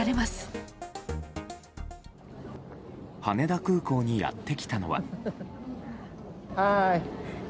羽田空港にやってきたのは。